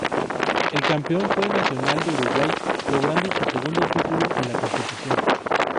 El campeón fue Nacional de Uruguay, logrando su segundo título en la competición.